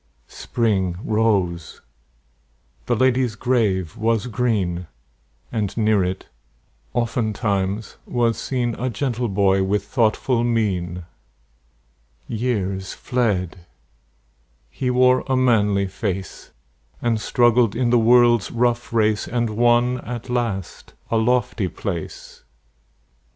Spring rose; the lady's grave was green; And near it, oftentimes, was seen A gentle boy with thoughtful mien. Years fled; he wore a manly face, And struggled in the world's rough race, And won at last a lofty place.